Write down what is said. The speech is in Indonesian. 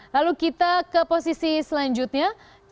lalu kita ke posisi selanjutnya